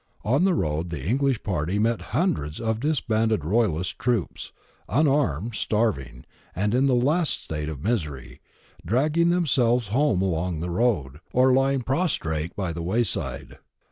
On the road the English party met hundreds of disbanded Royal ist troops, unarmed, starving, and in the last state of misery, dragging themselves home along the road, or lying prostrate by the wayside.